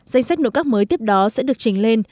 danh sách nội các mới tiếp đó sẽ được trình lên